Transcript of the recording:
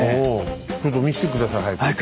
ちょっと見して下さい早く。